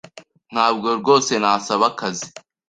Ntabwo rwose nasaba akazi.